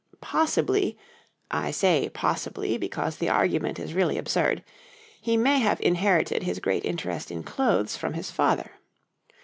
Possibly I say possibly because the argument is really absurd he may have inherited his great interest in clothes from his father.